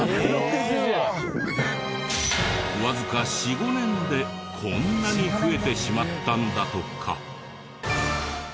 わずか４５年でこんなに増えてしまったんだとか。